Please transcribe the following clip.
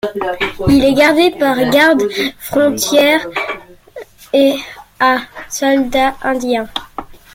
Il est gardé par garde-frontière et à soldats indiens.